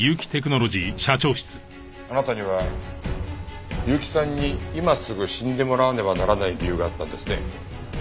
あなたには結城さんに今すぐ死んでもらわねばならない理由があったんですね。